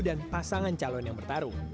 dan pasangan calon yang bertarung